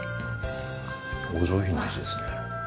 お上品な味ですね。